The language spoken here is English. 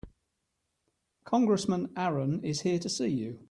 Congressman Aaron is here to see you.